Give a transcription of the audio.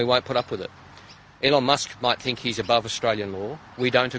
elon musk mungkin berpikir bahwa dia lebih ke atas perintah australia kita tidak setuju